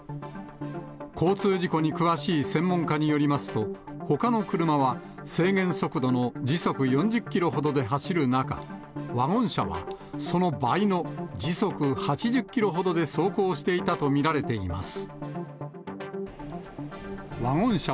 交通事故に詳しい専門家によりますと、ほかの車は制限速度の時速４０キロほどで走る中、ワゴン車はその倍の時速８０キロほどで走行していたと見られています。